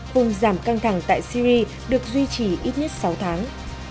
vùng giảm căng thẳng tại syrie được duy trì ít nhất sáu tháng